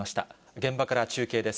現場から中継です。